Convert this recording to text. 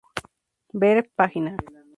Ver pg.